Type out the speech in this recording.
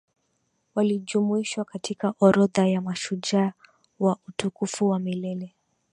walijumuishwa katika orodha ya mashujaa wa utukufu wa milele